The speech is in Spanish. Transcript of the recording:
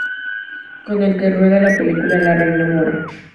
Con el que rueda la película La Reina Mora.